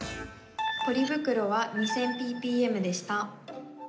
ポリ袋は２０００ｐｐｍでした。